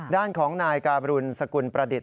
ด้านของนายการุณสกุลประดิษฐ